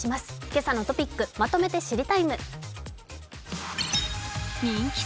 「けさのトピックまとめて知りＴＩＭＥ，」。